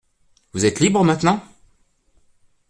Vous êtes libre maintenant ?